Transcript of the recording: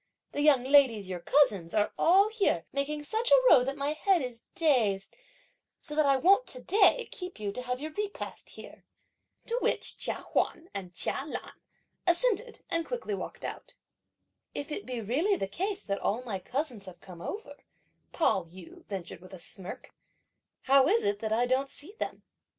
The young ladies, your cousins, are all here making such a row that my head is dazed, so that I won't to day keep you to have your repast here." To which Chia Huan and Chia Lan assented and quickly walked out. "If it be really the case that all my cousins have come over," Pao yü ventured with a smirk, "how is it that I don't see them?"